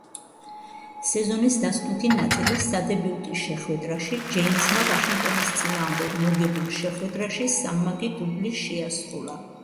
სეზონის დასკვნითი ნაწილის სადებიუტი შეხვედრაში ჯეიმზმა ვაშინგტონის წინააღმდეგ მოგებულ შეხვედრაში სამმაგი დუბლი შეასრულა.